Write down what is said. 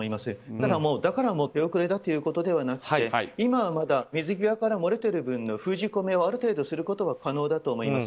ただ、だからもう手遅れだということではなくて今は水際から漏れている分の封じ込めをある程度することは可能だと思います。